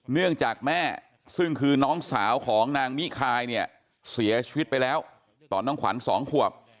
เนื่องจากแม่ซึ่งคือน้องสาวของนางมิคายเนี่ยเสียชีวิตไปแล้วตอนน้องขวัญ๒ขวบ